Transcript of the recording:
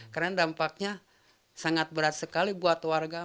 karena dampaknya sangat berat sekali buat warga